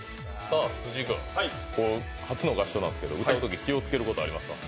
辻井君、初の合唱団ですけど歌うとき気をつけることはありますか？